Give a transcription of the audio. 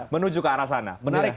menuju ke arah sana menarik